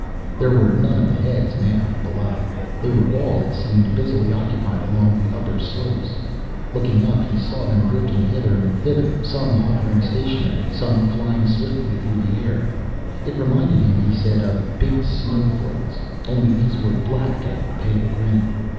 There were none of the heads, now, below. They were all, it seemed, busily occupied along the upper slopes. Looking up, he saw them drifting hither and thither, some hovering stationary, some flying swiftly through the air. It reminded him, he said, of "big snowflakes"; only these were black and pale green.